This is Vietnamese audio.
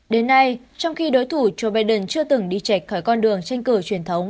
đến nay trong khi đối thủ joe biden chưa từng đi chạch khỏi con đường tranh cử truyền thống